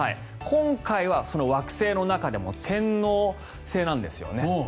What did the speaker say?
今回は惑星の中でも天王星なんですよね。